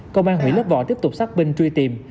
công an huyện lấp vò tiếp tục xác binh truy tìm